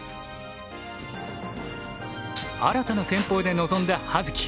新たな戦法で臨んだ葉月。